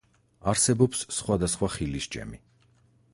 არსებობს სხვადასხვა ხილის ჯემი.